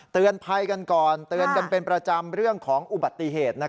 เตือนภัยกันก่อนเตือนกันเป็นประจำเรื่องของอุบัติเหตุ